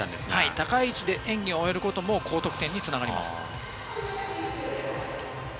高い位置で演技を終えることも高得点につながります。